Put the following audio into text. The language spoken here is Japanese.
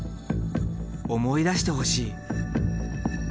思い出してほしい。